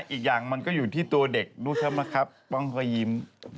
อีกอย่างมันก็อยู่ที่ตัวเด็กรู้ใช่ไหมครับป้องก็ยิ้ม